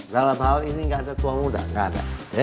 dalam hal ini enggak ada tua muda enggak ada